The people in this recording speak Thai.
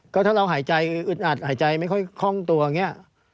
ก็ถ้าเราหายใจคืออึดอัดหายใจไม่ค่อยคล่องตัวอย่างนี้